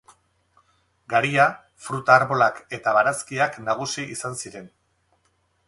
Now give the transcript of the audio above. Garia, fruta-arbolak eta barazkiak nagusi izan ziren.